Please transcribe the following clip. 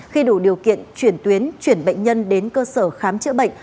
khi đủ điều kiện chuyển tuyến chuyển bệnh nhân đến cơ sở khám chữa bệnh